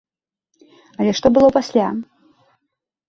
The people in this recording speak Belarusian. Але што было пасля?